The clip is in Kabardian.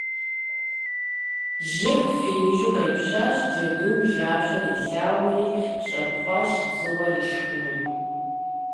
Жьыр фиижу къепщащ, джэдум жьапщэр илъагъури, щӀэпхъуащ, дзыгъуэр ишхыну.